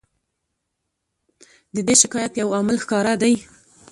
د دې شکایت یو عامل ښکاره دی.